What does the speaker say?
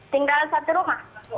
tinggal satu rumah